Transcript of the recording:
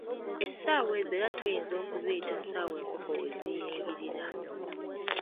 Essaawa ezo era tuyinza okuziyita essaawa enkoko we ziyingirira.